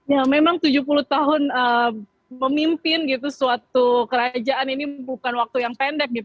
ya memang tujuh puluh tahun memimpin gitu suatu kerajaan ini bukan waktu yang pendek